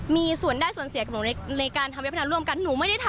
มีส่วนได้ส่วนเสียกับหนูในการทำเว็บพนันร่วมกันหนูไม่ได้ทำ